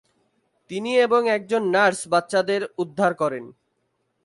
তিনি এবং একজন নার্স বাচ্চাদের উদ্ধার করেন।